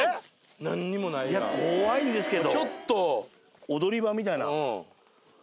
怖いんですけど。